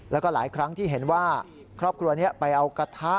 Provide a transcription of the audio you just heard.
แล้วก็หลายครั้งที่เห็นว่าครอบครัวนี้ไปเอากระทะ